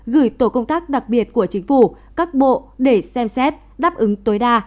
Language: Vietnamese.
gửi tổ công tác đặc biệt của chính phủ các bộ để xem xét đáp ứng tối đa